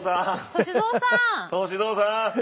歳三さん。